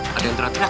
kita kan tim yah